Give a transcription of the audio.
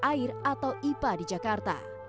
air atau ipa di jakarta